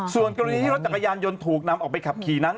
ส่วนกรณีที่รถจักรยานยนต์ถูกนำออกไปขับขี่นั้น